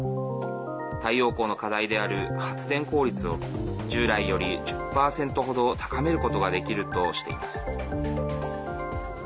太陽光の課題である発電効率を従来より１０％ほど高めることができるとしています。